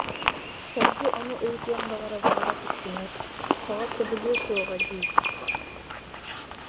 Саргы ону ыйытыан баҕара-баҕара туттунар, баҕар сөбүлүө суоҕа дии